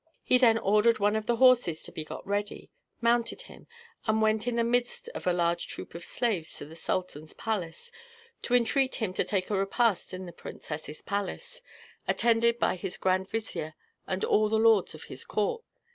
He then ordered one of the horses to be got ready, mounted him, and went in the midst of a large troop of slaves to the sultan's palace, to entreat him to take a repast in the princess's palace, attended by his grand vizier and all the lords of his court.